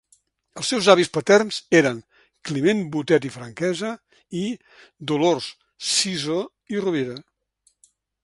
Els seus avis paterns eren Climent Botet i Franquesa i Dolors Sisó i Rovira.